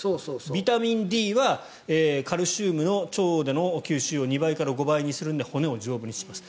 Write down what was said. ビタミンＤはカルシウムの腸での吸収を２倍から５倍にするので骨を丈夫にします。